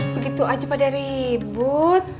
begitu aja pada ribut